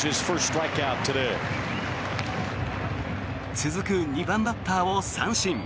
続く２番バッターを三振。